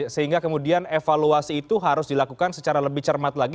sehingga kemudian evaluasi itu harus dilakukan secara lebih cermat lagi